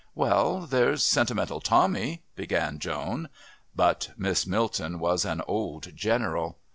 "Well, there's Sentimental Tommy," began Joan. But Miss Milton was an old general.